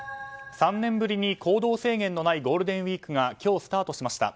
３年ぶりに行動制限のないゴールデンウィークが今日スタートしました。